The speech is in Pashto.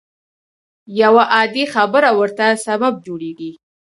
يوه عادي خبره ورته سبب جوړېږي.